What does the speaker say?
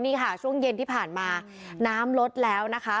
นี่ค่ะช่วงเย็นที่ผ่านมาน้ำลดแล้วนะคะ